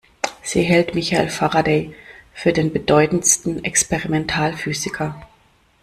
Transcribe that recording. Sie hält Michael Faraday für den bedeutendsten Experimentalphysiker.